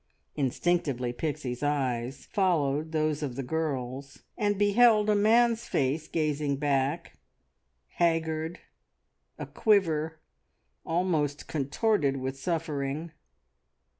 Instinctively Pixie's eyes followed those of the girl's, and beheld a man's face gazing back, haggard, a quiver, almost contorted with suffering.